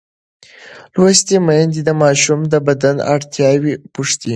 لوستې میندې د ماشوم د بدن اړتیاوې پوښتي.